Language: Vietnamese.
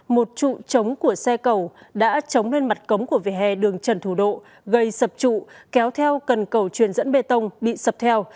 một trụ trống của xe cầu đã trống lên mặt cống của vỉa hè đường trần thủ độ gây sập trụ kéo theo cần cầu truyền dẫn bê tông bị sập theo